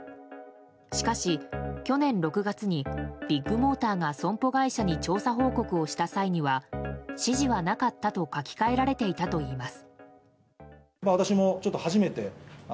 しかし、去年６月にビッグモーターが損保会社に調査報告をした際には指示はなかったと書き換えられていたといいます。